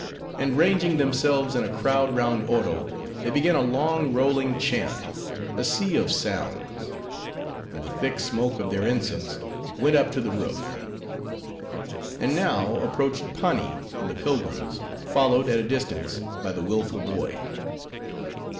And ranging themselves in a crowd round Oro, they began a long rolling chant, a sea of sounds; and the thick smoke of their incense went up to the roof. And now approached Pani and the pilgrims; followed, at a distance, by the willful boy.